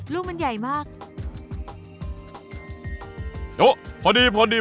ลูกมันใหญ่มาก